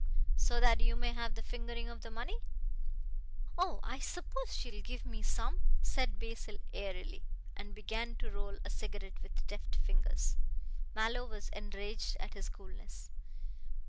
"So that you may have the fingering of the money?" "Oh, I suppose she will give me some," said Basil airily, and began to roll a cigarette with deft fingers. Mallow was enraged at this coolness.